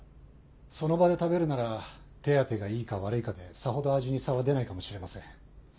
その場で食べるなら手当てがいいか悪いかでさほど味に差は出ないかもしれません。